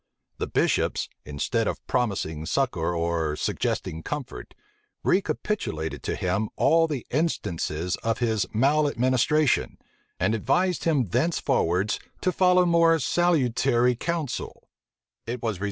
The bishops, instead of promising succor or suggesting comfort, recapitulated to him all the instances of his maleadministration, and advised him thenceforwards to follow more salutary counsel.